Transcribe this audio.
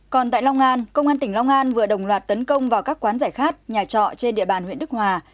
còn tại long an công an tỉnh long an vừa đồng loạt tấn công vào các quán giải khát nhà trọ trên địa bàn huyện đức hòa